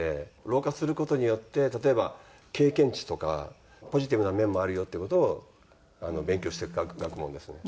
老化する事によって例えば経験値とかポジティブな面もあるよっていう事を勉強していく学問ですね。